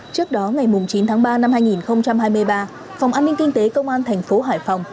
trước đó ngày chín tháng ba năm hai nghìn hai mươi ba phòng an ninh kinh tế công an thành phố hải phòng